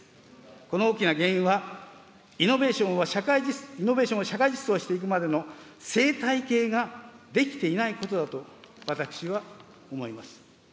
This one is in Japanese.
この大きな原因は、イノベーションを社会実装していくまでの生態系が出来ていないことだと私は思います。